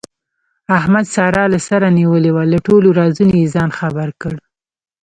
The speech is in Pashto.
احمد ساره له سره نیولې وه، له ټولو رازونو یې ځان خبر کړ.